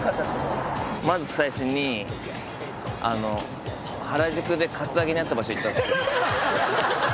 まず最初にあの原宿でカツアゲに遭った場所行ったんですよ。